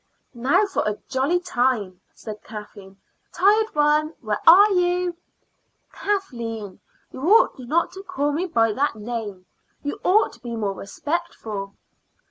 "Now for a jolly time," said Kathleen. "Tired one, where are you?" "Kathleen, you ought not to call me by that name. You ought to be more respectful."